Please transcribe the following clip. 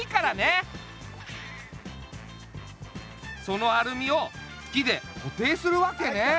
そのアルミを木でこていするわけね。